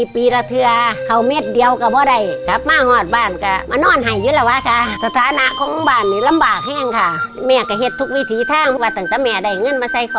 พระแอ้งเดี๋ยวมาช่วยลูกเก็บไข่นะ